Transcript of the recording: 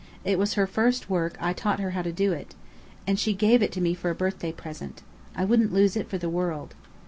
It was her first work. I taught her how to do it, and she gave it to me for a birthday present. I wouldn't lose it for the world."